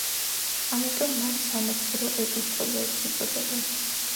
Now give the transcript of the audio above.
ამიტომ, მათ „სამოძღვრო ეპისტოლეებს“ უწოდებენ.